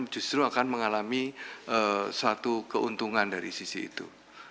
justru akan mengalami suatu keuntungan dari sisi itu